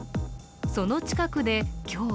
その近くで今日